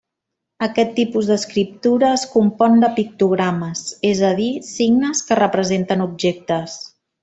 Aquest tipus d'escriptura es compon de pictogrames, és a dir, signes que representen objectes.